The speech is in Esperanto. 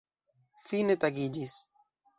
Fine tagiĝis.